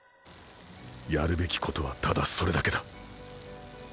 やるべきことはただそれだけだ。